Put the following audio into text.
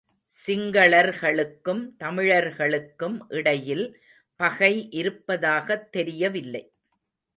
சிங்களர்களுக்கும் தமிழர்களுக்கும் இடையில் பகை இருப்பதாகத் தெரியவில்லை.